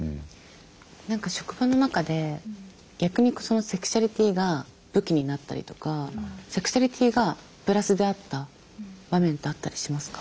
何か職場の中で逆にそのセクシュアリティーが武器になったりとかセクシュアリティーがプラスであった場面ってあったりしますか？